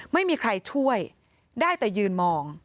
ไม่มีใครช่วยได้แต่ยืนมอง